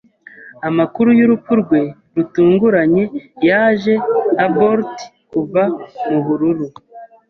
Amakuru y'urupfu rwe rutunguranye yaje nka bolt kuva mubururu.